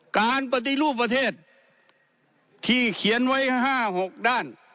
การปฏิรูปประเทศที่เขียนไว้๕๖ด้าน